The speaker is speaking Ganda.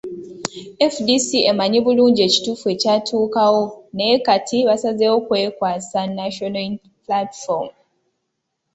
FDC emanyi bulungi ekituufu ekyatuukawo naye kati baasazeewo kwekwasa National Unity Platform